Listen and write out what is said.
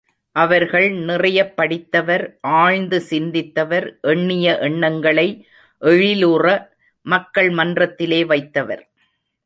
அவர்கள் நிறையப் படித்தவர் ஆழ்ந்து சிந்தித்தவர் எண்ணிய எண்ணங்களை எழிலுற மக்கள் மன்றத்திலே வைத்தவர்.